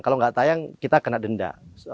kalau nggak tayang kita kena denda